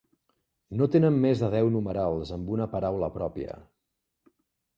No tenen més de deu numerals amb una paraula pròpia.